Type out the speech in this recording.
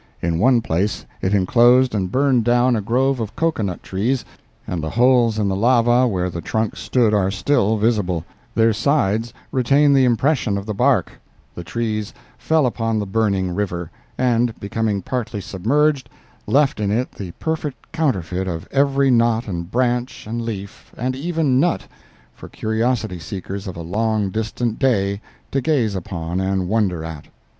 In one place it inclosed and burned down a grove of cocoa nut trees, and the holes in the lava where the trunks stood are still visible; their sides retain the impression of the bark; the trees fell upon the burning river, and becoming partly submerged, left in it the perfect counterfeit of every knot and branch and leaf, and even nut, for curiosity seekers of a long distant day to gaze upon and wonder at.